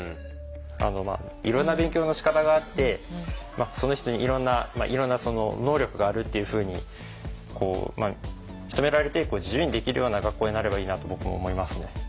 いろんな勉強のしかたがあってその人にいろんな能力があるっていうふうに認められて自由にできるような学校になればいいなと僕も思いますね。